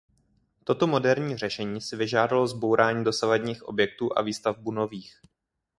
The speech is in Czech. Toto moderní řešení si vyžádalo zbourání dosavadních objektů a výstavbu nových.